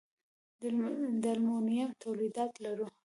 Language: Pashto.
د المونیم تولیدات لرو؟